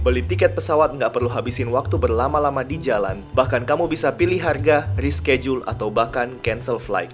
beli tiket pesawat nggak perlu habisin waktu berlama lama di jalan bahkan kamu bisa pilih harga reschedule atau bahkan cancel flight